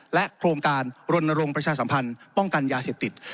โครงการรณรงค์ประชาสัมพันธ์ป้องกันยาเสพติด